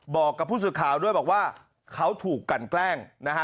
บอกกับผู้สื่อข่าวด้วยบอกว่าเขาถูกกันแกล้งนะฮะ